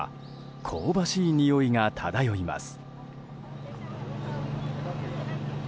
香ばしいにおいが漂います。